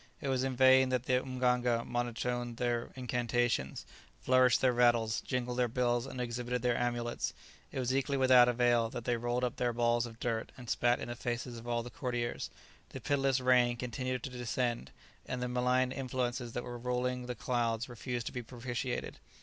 It was in vain that the mganga monotoned their incantations, flourished their rattles, jingled their bells, and exhibited their amulets; it was equally without avail that they rolled up their balls of dirt and spat in the faces of all the courtiers: the pitiless rain continued to descend, and the malign influences that were ruling the clouds refused to be propitiated.